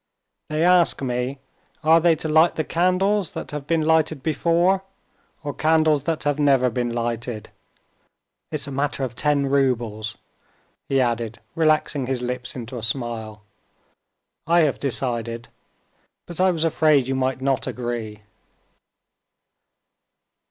They ask me, are they to light the candles that have been lighted before or candles that have never been lighted? It's a matter of ten roubles," he added, relaxing his lips into a smile. "I have decided, but I was afraid you might not agree."